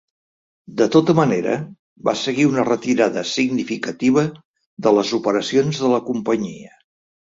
De tota manera, va seguir una retirada significativa de les operacions de la companyia.